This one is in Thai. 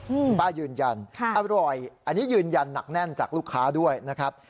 คุณป้ายืนยันค่ะอร่อยอันนี้ยืนยันหนักแน่นจากลูกค้าด้วยนะครับ